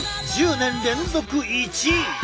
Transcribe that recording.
１０年連続１位！